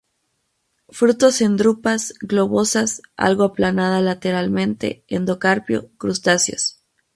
Frutos en drupas, globosas, algo aplanada lateralmente; endocarpio crustáceos.